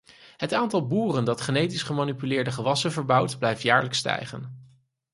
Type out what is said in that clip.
Het aantal boeren dat genetisch gemanipuleerde gewassen verbouwt blijft jaarlijks stijgen.